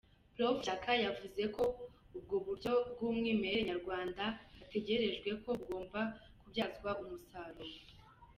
Prof Shyaka yavuze ko ubwo buryo bw’umwiherere nyarwanda hatekerejwe ko bugomba kubyazwa umusaruro.